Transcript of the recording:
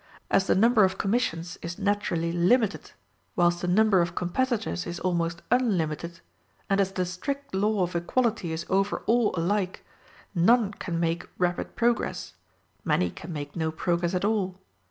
As the number of commissions is naturally limited, whilst the number of competitors is almost unlimited, and as the strict law of equality is over all alike, none can make rapid progress many can make no progress at all.